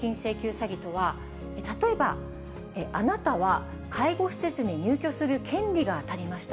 詐欺とは、例えば、あなたは介護施設に入居する権利が当たりました。